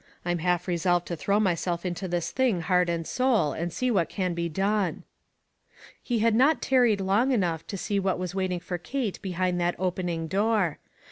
I'm half resolved to throw myself into this thing heart and soul, and see what can be done." He had not tarried long enough to see what was waiting for Kate behind that opening door.